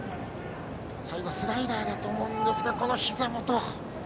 最後スライダーだと思うんですがひざ元。